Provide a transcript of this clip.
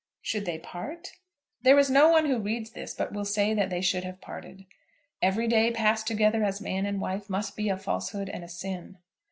Should they part? There is no one who reads this but will say that they should have parted. Every day passed together as man and wife must be a falsehood and a sin.